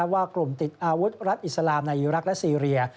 ว่ากลุ่มติดอาวุธรัฐอิสลามในอีรักษ์และซีเรีย